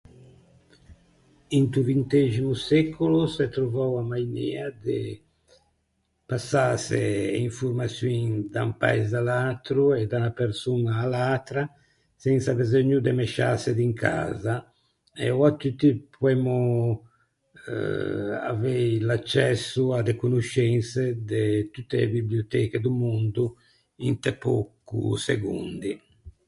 Into vinteximo secolo s’é trovou a mainea de passâse e informaçioin da un paise à l’atro e da unna persoña à l’atra sensa beseugno de mesciâse d’in casa e oua tutti poemmo eh avei l’accesso à de conoscense de tutte e biblioteche do mondo inte pöco segondi.